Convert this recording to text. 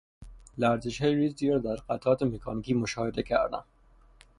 لرزشهای ریزی را در قطعات مکانیکی مشاهده کردم.